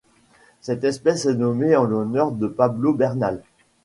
Cette espèce est nommée en l'honneur de Pablo Bernal.